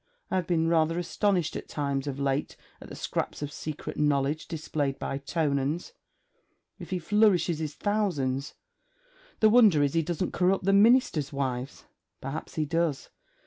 I have been rather astonished at times of late at the scraps of secret knowledge displayed by Tonans. If he flourishes his thousands! The wonder is, he doesn't corrupt the Ministers' wives. Perhaps he does.